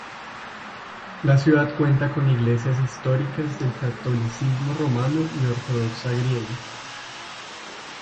La ciudad cuenta con iglesias históricas del catolicismo romano y ortodoxa griega.